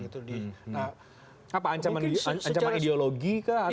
apa ancaman ideologi kah